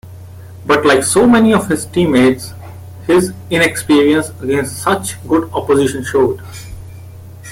But like so many of his team-mates, his inexperience against such good opposition showed.